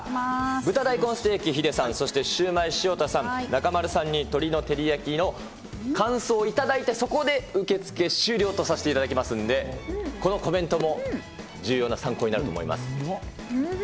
豚大根ステーキ、ヒデさん、そしてシューマイ、潮田さん、中丸さんに鶏の照り焼きの感想を頂いて、そこで受け付け終了とさせていただきますんで、このコメントも重要な参考になると思います。